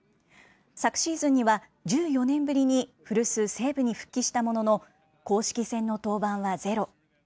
昨シーズンには、１４年ぶりに古巣、西武に復帰したものの、公式戦の登板はゼロ。